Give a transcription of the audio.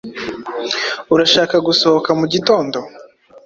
Urashaka gusohoka mugitondo?